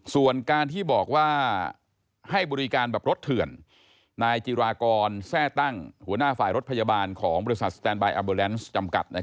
ส่วนการที่บอกว่าให้บริการแบบรถเถื่อนนายจิรากรแทร่ตั้งหัวหน้าฝ่ายรถพยาบาลของบริษัทสแตนบายอาร์เบอร์แลนซ์จำกัด